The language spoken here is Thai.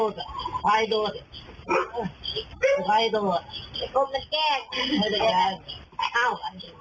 ถ่ายกินครับ